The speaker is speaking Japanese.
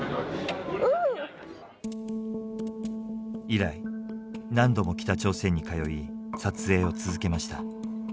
以来何度も北朝鮮に通い撮影を続けました。